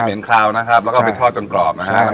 ไม่เหม็นข้าวนะครับแล้วก็เอาไปทอดจนปรอบนะครับ